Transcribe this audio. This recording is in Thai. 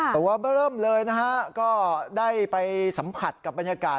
ตัวเบอร์เริ่มเลยนะฮะก็ได้ไปสัมผัสกับบรรยากาศ